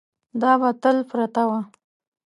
دا به تل پرته وه.